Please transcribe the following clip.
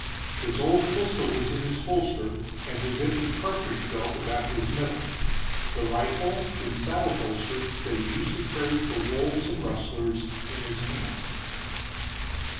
His old pistol was in his holster, and his empty cartridge belt about his middle, the rifle, in saddle holster, that he used to carry for wolves and rustlers, in his hand.